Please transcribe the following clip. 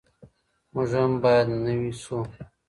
موږ هم باید نوي سو.